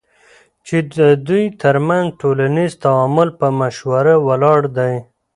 چی ددوی ترمنځ ټولنیز تعامل په مشوره ولاړ دی،